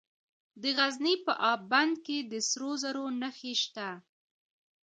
د غزني په اب بند کې د سرو زرو نښې شته.